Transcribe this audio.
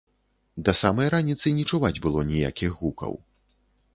Да самай раніцы не чуваць было ніякіх гукаў.